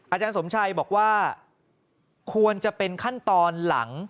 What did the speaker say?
อาจารย์สมชัยบอกว่าควรจะเป็นขั้นตอนหลัง